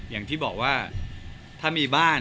อย่างที่บอกว่าถ้ามีบ้าน